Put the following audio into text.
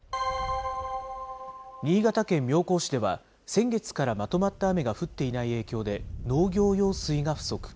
新潟県妙高市では、先月からまとまった雨が降っていない影響で、農業用水が不足。